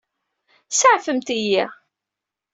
Saɛfemt-iyi.